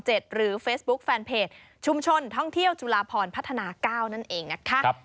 หรือเฟซบุ๊คแฟนเพจชุมชนท่องเที่ยวจุลาพรพัฒนา๙นั่นเองนะคะ